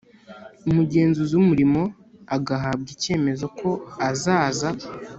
Umugenzuzi w Umurimo agahabwa icyemezo ko azaza